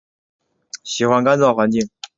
喜欢干燥环境。